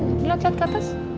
coba cek ke atas